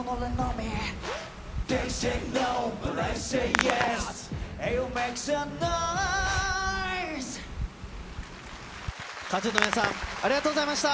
ＫＡＴーＴＵＮの皆さん、ありがとうございました。